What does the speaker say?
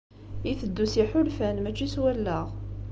Iteddu s yiḥulfan mačči s wallaɣ.